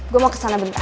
gue mau kesana bentar